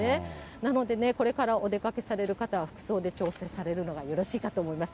なのでね、これからお出かけされる方は、服装で調整されるのがよろしいかと思います。